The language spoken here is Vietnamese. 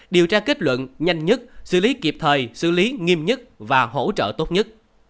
điều tra kết luận nhanh nhất xử lý kịp thời xử lý nghiêm nhất và hỗ trợ tốt nhất